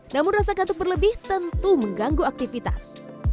namun rasa katuk berlebih tentu mengganggu aktivitas